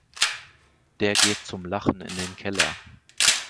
Der geht zum Lachen in den Keller.